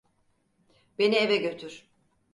Beni eve götür.